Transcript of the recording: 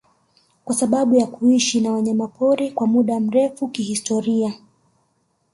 kwa sababu ya kuishi na wanyamapori kwa muda mrefu kihistoria